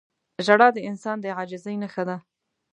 • ژړا د انسان د عاجزۍ نښه ده.